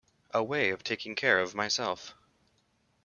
A way of taking care of myself.